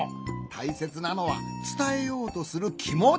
たいせつなのはつたえようとするきもち。